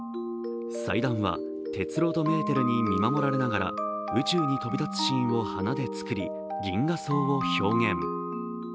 祭壇は鉄郎とメーテルに見守られながら宇宙に飛び立つシーンを花で作り、銀河葬を表現。